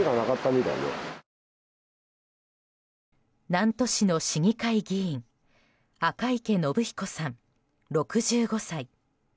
南砺市の市議会議員赤池伸彦さん、６５歳。